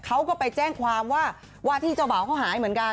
เขาก็ไปแจ้งความว่าว่าที่เจ้าบ่าวเขาหายเหมือนกัน